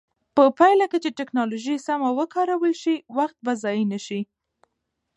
په پایله کې چې ټکنالوژي سمه وکارول شي، وخت به ضایع نه شي.